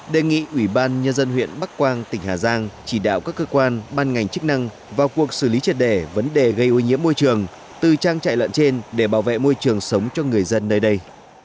đề nghị ủy ban nhân dân huyện bắc quang tỉnh hà giang chỉ đạo các cơ quan ban ngành chức năng vào cuộc xử lý triệt đề vấn đề gây ô nhiễm môi trường từ trang trại lợn trên để bảo vệ môi trường sống cho người dân nơi đây